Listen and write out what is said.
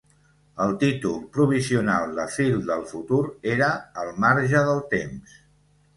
El títol provisional de "Phil del futur" era "Al marge del temps"